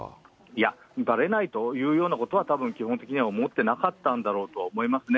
いや、ばれないというようなことは、たぶん、基本的には思ってなかったんだろうと思いますね。